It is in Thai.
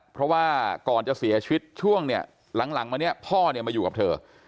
เพราะว่าก่อนจะเสียชีวิตช่วงเนี่ยหลังมาเนี่ยพ่อเนี่ยมาอยู่กับเธอ